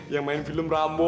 yang main film rambo